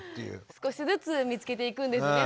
少しずつ見つけていくんですね。